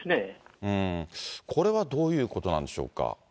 これはどういうことなんでしょうか。